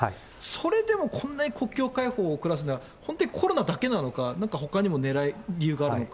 それでもこんなに国境開放を遅らせるのは本当にコロナだけなのか、なんかほかにも理由があるのか。